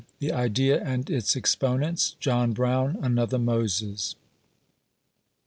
THE IDEA AND IIS EXPONENTS — JOHN BROWN ANOTHER HOSES.